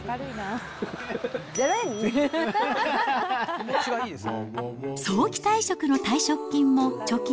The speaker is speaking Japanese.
気持ちがいいですね。